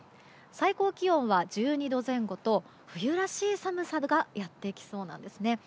最高気温は１２度前後と冬らしい寒さがやってきそうなんですね。